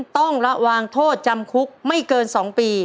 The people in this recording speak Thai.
ต้องระวังโทษจำคุกไม่เกิน๒ปี